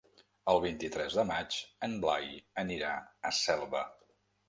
El vint-i-tres de maig en Blai anirà a Selva.